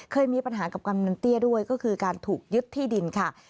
เคยมีปัญหากับกำนันเตี้ยด้วยก็คือการถูกยึดที่ดินค่ะ